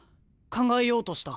考えようとした。